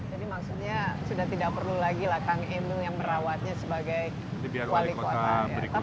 jadi maksudnya sudah tidak perlu lagi lah kang emil yang merawatnya sebagai kuali kota